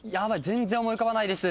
全然思い浮かばないです。